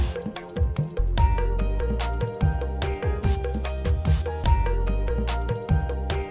paket buat irin bu